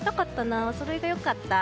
おそろいが良かった。